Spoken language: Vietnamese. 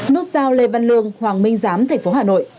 nút sao lề văn lường hoàng minh giám tp hà nội